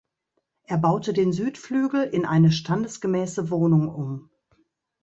Er baute den Südflügel in eine standesgemäße Wohnung um.